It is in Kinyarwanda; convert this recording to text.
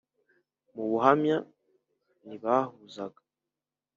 mu buhamya ntibahuzaga